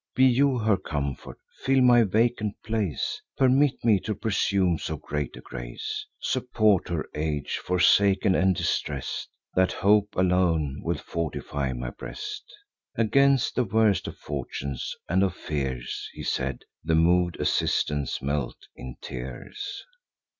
Be you her comfort; fill my vacant place (Permit me to presume so great a grace) Support her age, forsaken and distress'd. That hope alone will fortify my breast Against the worst of fortunes, and of fears." He said. The mov'd assistants melt in tears.